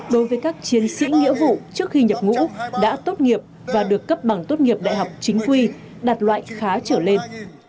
đối với các chiến sĩ nghĩa vụ trước khi nhập ngũ đã tốt nghiệp và được cấp bằng tốt nghiệp đại học chính quy đạt loại khá trở lên